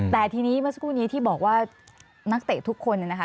แต่ทีนี้เมื่อสักครู่นี้ที่บอกว่านักเตะทุกคนเนี่ยนะคะ